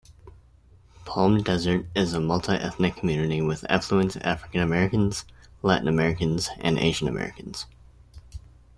Palm Desert is a multi-ethnic community with affluent African-Americans, Latin Americans and Asian Americans.